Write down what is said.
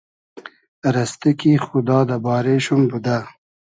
رئستی کی خودا دۂ بارې شوم بودۂ